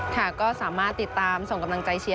ค่ะก็สามารถติดตามส่งกำลังใจเชียร์